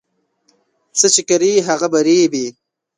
څه چي کرې، هغه به رېبې.